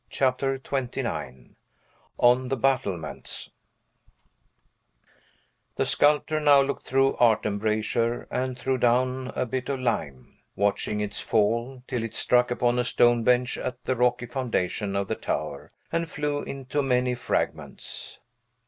CHAPTER XXIX ON THE BATTLEMENTS The sculptor now looked through art embrasure, and threw down a bit of lime, watching its fall, till it struck upon a stone bench at the rocky foundation of the tower, and flew into many fragments.